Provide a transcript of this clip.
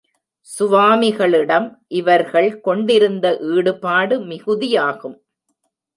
சுவாமிகளிடம் இவர்கள் கொண்டிருந்த ஈடுபாடு மிகுதியாகும்.